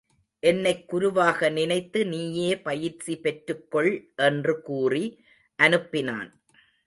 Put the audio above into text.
என்னைக் குருவாக நினைத்து நீயே பயிற்சி பெற்றுக் கொள் என்று கூறி அனுப்பினான்.